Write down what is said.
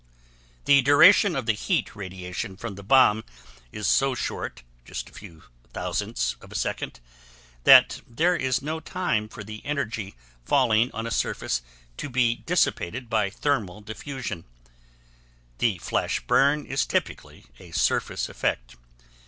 The duration of the heat radiation from the bomb is so short, just a few thousandths of a second, that there is no time for the energy falling on a surface to be dissipated by thermal defusion; the flash burn is typically a surface effect.